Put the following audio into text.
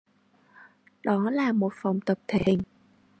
Đó là một phòng tập thể hình